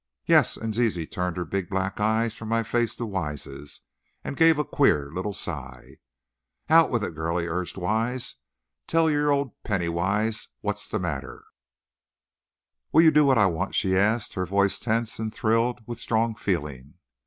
"Yes," and Zizi turned her big black eyes from my face to Wise's, and gave a queer little sigh. "Out with it, girlie," urged Wise. "Tell your old Penny Wise what's the matter." "Will you do what I want?" she asked, her voice tense and thrilled with strong feeling.